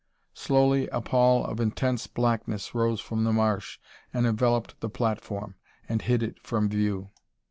Slowly a pall of intense blackness rose from the marsh and enveloped the platform and hid it from view.